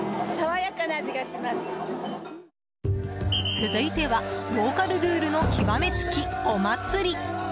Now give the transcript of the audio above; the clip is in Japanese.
続いてはローカルルールの極め付き、お祭り。